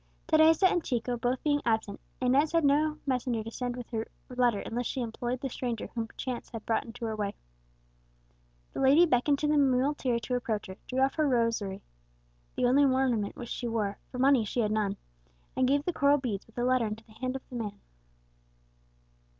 Teresa and Chico both being absent, Inez had no messenger to send with her letter, unless she employed the stranger whom chance had brought into her way. The lady beckoned to the muleteer to approach her, drew off her rosary the only ornament which she wore for money she had none, and gave the coral beads, with the letter, into the hand of the man.